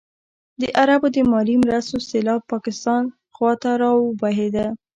د عربو د مالي مرستو سېلاب پاکستان خوا ته راوبهېده.